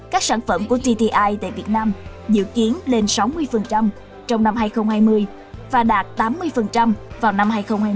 các sản phẩm của tti tại việt nam dự kiến lên sáu mươi trong năm hai nghìn hai mươi và đạt tám mươi vào năm hai nghìn hai mươi